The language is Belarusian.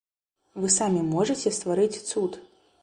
Вы самі можаце стварыць цуд!